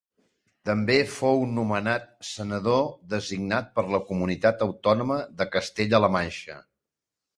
També fou nomenat senador designat per la comunitat autònoma de Castella-la Manxa.